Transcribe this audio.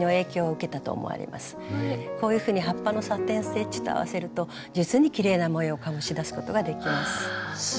こういうふうに葉っぱのサテン・ステッチと合わせると実にきれいな模様を醸し出すことができます。